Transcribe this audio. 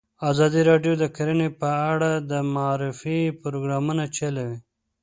ازادي راډیو د کرهنه په اړه د معارفې پروګرامونه چلولي.